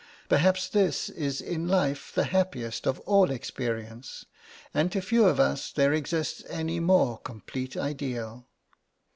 Perhaps this is in life the happiest of all experience, and to few of us there exists any more complete ideal.